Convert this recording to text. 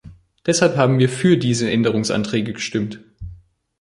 Deshalb haben wir für diese Änderungsanträge gestimmt.